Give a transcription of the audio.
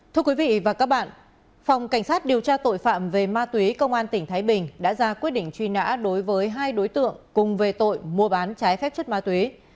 thưa quý vị và các bạn phòng cảnh sát điều tra tội phạm về ma túy công an tỉnh thái bình đã ra quyết định truy nã đối với hai đối tượng cùng về tội mua bán trái phép chất ma túy